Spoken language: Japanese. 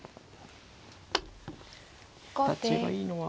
形がいいのは。